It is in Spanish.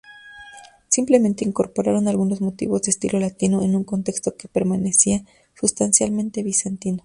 Simplemente incorporaron algunos motivos de estilo latino en un contexto que permanecía sustancialmente bizantino.